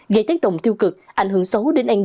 gây tác động tiêu cực ảnh hưởng xấu đến anh